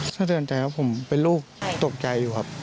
สะเทือนใจครับผมเป็นลูกตกใจอยู่ครับ